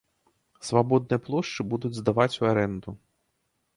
Свабодныя плошчы будуць здаваць ў арэнду.